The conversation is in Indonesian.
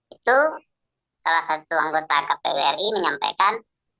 itu salah satu anggota kpu ri menyampaikan